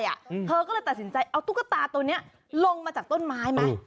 เธอก็เลยตัดสินใจเอาตุ๊กตาตัวเนี้ยลงมาจากต้นไม้ไหม